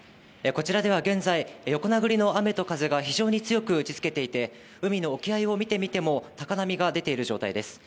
こちらでは現在、横殴りの雨と風が非常に強く打ちつけていて、海の沖合を見てみても高波が出ている状態です。